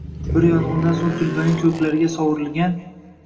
bir yong’indan so’ng kulbaning ko’klarga sovrilgan